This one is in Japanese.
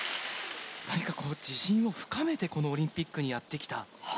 何か、自信を深めてオリンピックにやってきた。